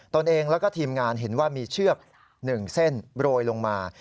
ตนเองแล้วก็ทีมงานเห็นว่ามีเชือก๑เส้นโรยลงมา